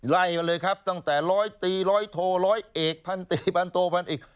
ไล่มาเลยครับตั้งแต่ร้อยตีร้อยโทร้อยเอกพันธีพันโทพันเอก